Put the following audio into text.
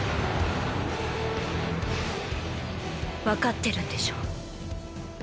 わかってるんでしょ？